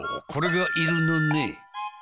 これがいるのね？